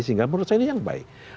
sehingga menurut saya ini yang baik